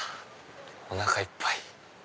おなかいっぱい。